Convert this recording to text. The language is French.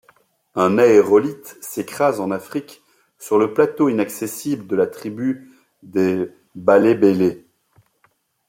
Un aérolithe s'écrase en Afrique sur le plateau inaccessible de la tribu des Balébélés.